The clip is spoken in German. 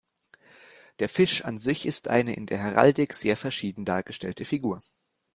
Der Fisch an sich ist eine in der Heraldik sehr verschieden dargestellte Figur.